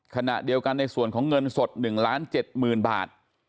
ขณะเดียวกันในส่วนของเงินสด๑๗๐๐๐๐บาท